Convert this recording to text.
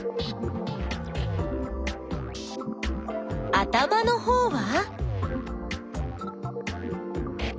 頭のほうは？